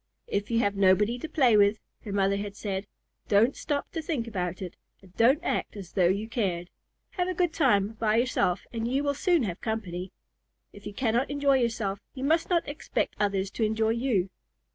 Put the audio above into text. "If you have nobody to play with," her mother had said, "don't stop to think about it, and don't act as though you cared. Have a good time by yourself and you will soon have company. If you cannot enjoy yourself, you must not expect others to enjoy you."